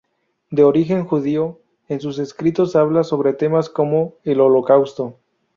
De origen judío, en sus escritos habla sobre temas como el holocausto.